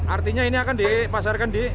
artinya ini akan dipasarkan di